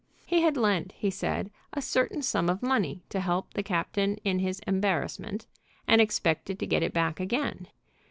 He had lent, he said, a certain sum of money to help the captain in his embarrassment, and expected to get it back again.